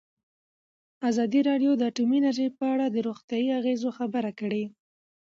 ازادي راډیو د اټومي انرژي په اړه د روغتیایي اغېزو خبره کړې.